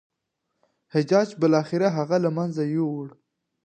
حجاج بالاخره هغه له منځه یووړ.